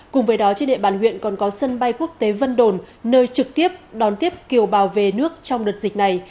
cùng với đó trên địa bàn huyện còn có sân bay quốc tế vân đồn nơi trực tiếp đón tiếp kiều bào về nước trong đợt dịch này